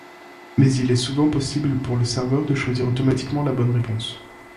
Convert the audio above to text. Mais il est souvent possible pour le serveur de choisir automatiquement la bonne réponse.